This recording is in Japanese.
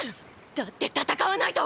だって戦わないと！！